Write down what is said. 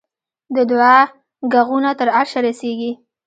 د دعا ږغونه تر عرشه رسېږي.